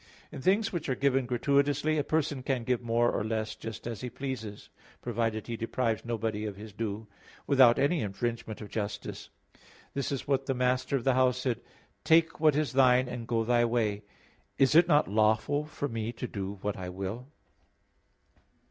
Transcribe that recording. In things which are given gratuitously, a person can give more or less, just as he pleases (provided he deprives nobody of his due), without any infringement of justice. This is what the master of the house said: "Take what is thine, and go thy way. Is it not lawful for me to do what I will?"